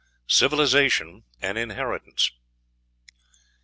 CIVILIZATION AN INHERITANCE.